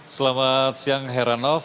selamat siang heranov